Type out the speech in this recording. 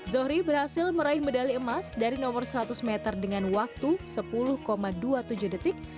zohri berhasil meraih medali emas dari nomor seratus meter dengan waktu sepuluh dua puluh tujuh detik